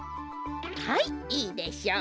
はいいいでしょう。